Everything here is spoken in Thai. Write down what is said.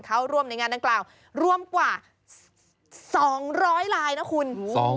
เข้าร่วมในงานดังกล่าวรวมกว่า๒๐๐ลายนะคุณ